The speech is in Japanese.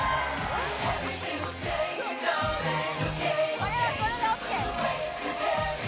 これはこれでＯＫあ